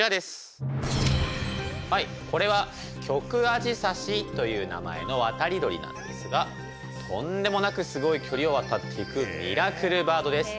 これはキョクアジサシという名前の渡り鳥なんですがとんでもなくすごい距離を渡っていくミラクルバードです。